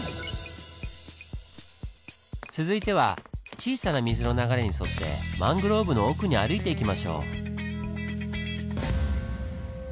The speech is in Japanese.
続いては小さな水の流れに沿ってマングローブの奥に歩いていきましょう。